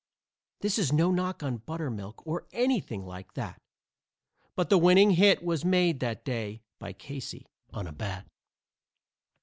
This is no knock on buttermilk, or anything like that, But the winning hit was made that day by Casey on a bat.